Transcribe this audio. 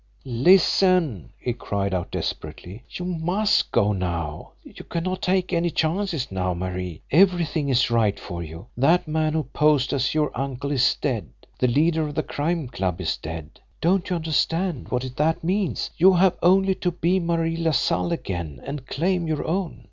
"Listen!" he cried out desperately. "You must go now! You cannot take any chances now, Marie. Everything is right for you. That man who posed as your uncle is dead the leader of the Crime Club is dead. Don't you understand what that means! You have only to be Marie LaSalle again and claim your own.